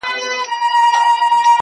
• سم به خو دوى راپسي مه ږغوه.